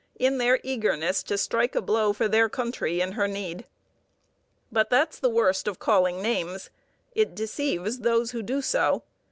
in their eagerness to strike a blow for their country in her need. But that's the worst of calling names: it deceives those who do so.